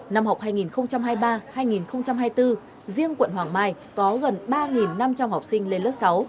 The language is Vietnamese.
năm học hai nghìn hai mươi ba hai nghìn hai mươi bốn riêng quận hoàng mai có gần ba năm trăm linh học sinh lên lớp sáu